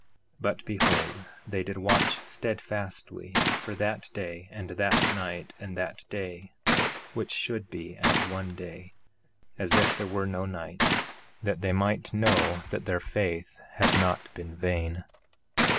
1:8 But behold, they did watch steadfastly for that day and that night and that day which should be as one day as if there were no night, that they might know that their faith had not been vain.